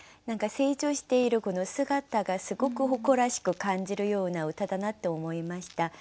何か成長している子の姿がすごく誇らしく感じるような歌だなと思いました。